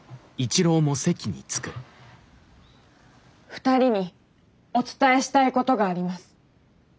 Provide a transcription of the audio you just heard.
２人にお伝えしたいことがあります。